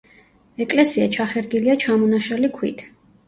ეკლესია ჩახერგილია ჩამონაშალი ქვით.